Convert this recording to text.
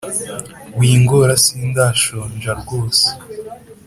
wingora sindashonja rwose